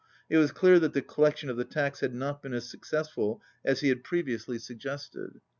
It was clear that the collection of the tax had not been as successful as he had previously suggested.